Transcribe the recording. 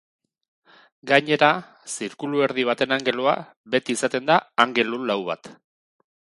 Gainera, zirkuluerdi baten angelua, beti izaten da angelu lau bat.